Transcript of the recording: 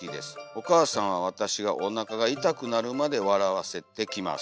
おかあさんは私がおなかがいたくなるまでわらわせてきます」。